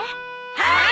はい。